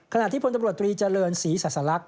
ขณะที่พลตำรวจตรีเจริญศรีสัสลักษ